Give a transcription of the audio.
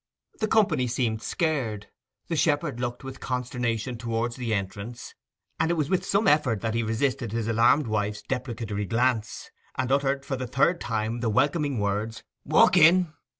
The company seemed scared; the shepherd looked with consternation towards the entrance, and it was with some effort that he resisted his alarmed wife's deprecatory glance, and uttered for the third time the welcoming words, 'Walk in!